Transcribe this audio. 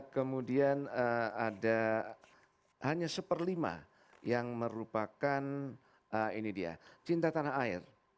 kemudian ada hanya seperlima yang merupakan ini dia cinta tanah air